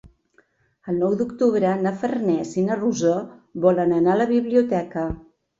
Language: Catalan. El nou d'octubre na Farners i na Rosó volen anar a la biblioteca.